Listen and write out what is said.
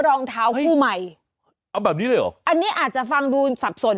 รองเท้าคู่ใหม่เอาแบบนี้เลยเหรออันนี้อาจจะฟังดูสับสน